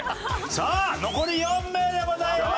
さあ残り４名でございます。